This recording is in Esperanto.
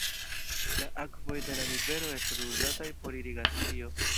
La akvoj de la rivero estas uzataj por irigacio.